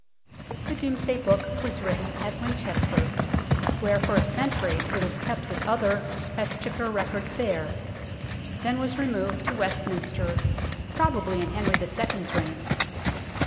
" The Domesday Book was written at Winchester, where for a century it was kept with other Ex chequer records there, then was removed to Westminster, probably in Henry II. 's reign.